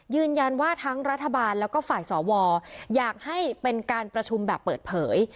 ยืนยันว่าทั้งรัฐบาลแล้วก็ฝ่ายสวอยากให้เป็นการประชุมแบบเปิดเผย